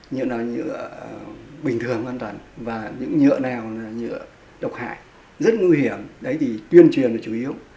nhựa là nhựa bình thường an toàn và những nhựa nào là nhựa độc hại rất nguy hiểm đấy thì tuyên truyền là chủ yếu